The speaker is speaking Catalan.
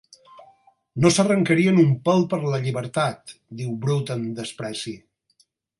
"No s'arrencarien un pèl per la llibertat", diu Brut amb despreci.